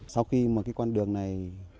sau khi một cái con đường này